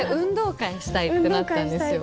ってなったんですよ